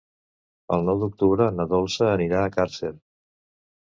El nou d'octubre na Dolça anirà a Càrcer.